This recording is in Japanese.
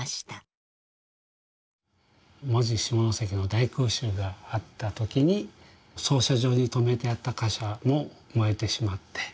門司下関の大空襲があった時に操車場にとめてあった貨車も燃えてしまって。